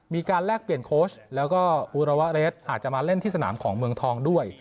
แลกเปลี่ยนโค้ชแล้วก็อุระวะเรสอาจจะมาเล่นที่สนามของเมืองทองด้วย